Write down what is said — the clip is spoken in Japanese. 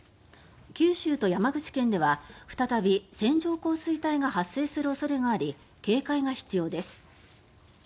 九州と山口県では再び線状降水帯が発生する恐れがあり警戒が必要です。